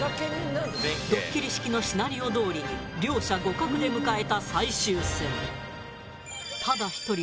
ドッキリ式のシナリオどおりに両者互角で迎えた最終戦。